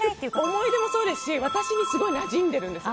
思い出もそうですし私にすごいなじんでるんです。